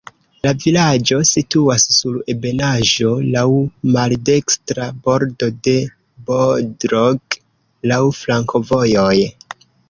La vilaĝo situas sur ebenaĵo, laŭ maldekstra bordo de Bodrog, laŭ flankovojoj.